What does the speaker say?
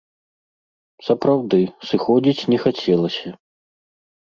Сапраўды, сыходзіць не хацелася.